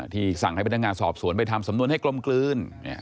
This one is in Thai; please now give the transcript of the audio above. ที่สั่งให้เป็นทางงานสอบสวนไปทำสำนวนให้กลมกลื้น